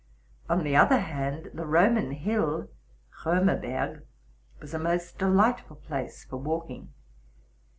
On the other hand, the Roman Hill (Rémerberg) was a most delightful place for walking.